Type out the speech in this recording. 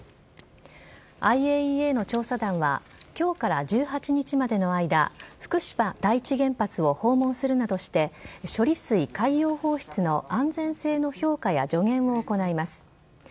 ＩＡＥＡの調査団は、きょうから１８日までの間、福島第一原発を訪問するなどして、処理水海洋放出の安全性の評価や助言を行います。